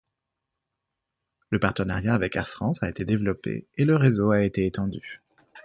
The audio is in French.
Le partenariat avec Air France a été développé et le réseau a été étendu.